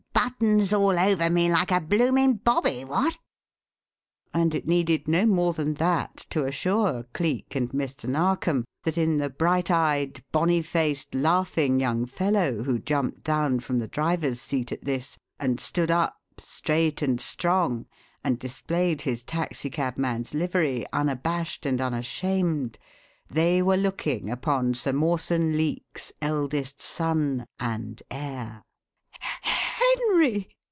Buttons all over me, like a blooming Bobby! What?" And it needed no more than that to assure Cleek and Mr. Narkom that in the bright eyed, bonny faced, laughing young fellow who jumped down from the driver's seat at this, and stood up straight and strong, and displayed his taxicabman's livery unabashed and unashamed, they were looking upon Sir Mawson Leake's eldest son and heir! "Henry!"